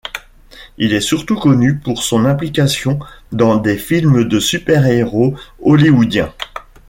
Il est surtout connu pour son implication dans des films de super-héros hollywoodiens.